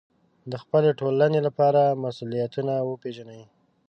د خپلې ټولنې لپاره مسوولیتونه وپېژنئ.